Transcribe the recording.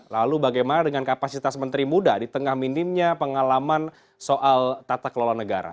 lalu bagaimana dengan kapasitas menteri muda di tengah minimnya pengalaman soal tata kelola negara